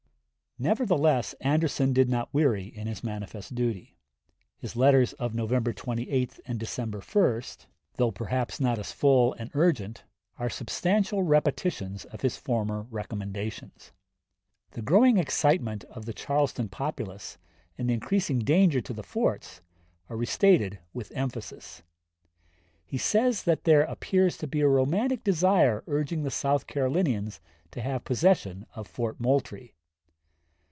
Nevertheless, Anderson did not weary in his manifest duty. His letters of November 28 and December 1, though perhaps not as full and urgent, are substantial repetitions of his former recommendations. The growing excitement of the Charleston populace and the increasing danger to the forts are restated with emphasis. He says that there appears to be a romantic desire urging the South Carolinians to have possession of Fort Moultrie.